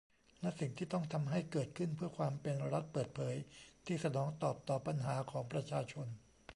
และสิ่งที่ต้องทำให้เกิดขึ้น เพื่อความเป็น รัฐเปิดเผย ที่สนองตอบต่อปัญหาของประชาชน